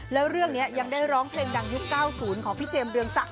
แล้วเรื่องนี้ยังได้ร้องเพลงดังยุค๙๐ของพี่เจมสเรืองศักด